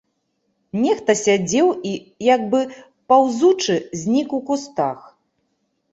Нехта сядзеў і, як бы паўзучы, знік у кустах.